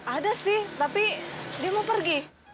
ada sih tapi dia mau pergi